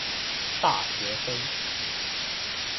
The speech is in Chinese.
大学生